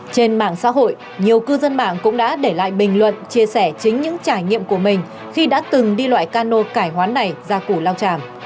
trên mạng xã hội nhiều cư dân mạng cũng đã để lại bình luận chia sẻ chính những trải nghiệm của mình khi đã từng đi loại cano cải hoán này ra củ lao tràm